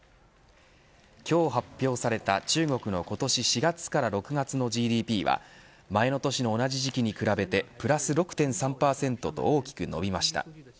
今日発表された中国の今年４月から６月のＧＤＰは前の年の同じ時期に比べてプラス６．３％と大きく伸びました。